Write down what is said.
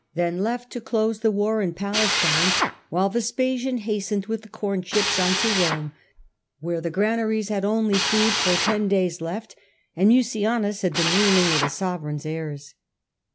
then left to close the war in Palestine, while Vespasian hastened with the corn ships on to Rome, where the gra naries had only food for ten days left, and Mucianus had been ruling with a sovereign's airs.